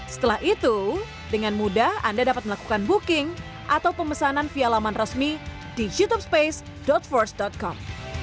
setelah itu dengan mudah anda dapat melakukan booking atau pemesanan via laman resmi di youtubespace force com